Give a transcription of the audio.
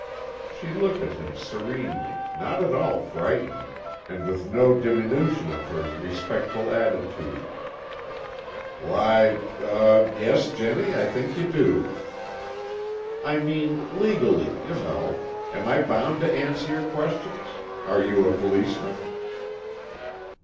She looked at him serenely, not at all frightened, and with no diminution of her respectful attitude. "Why,—er—yes, Jennie, I think you do." "I mean, legally, you know. Am I bound to answer your questions? Are you a policeman?"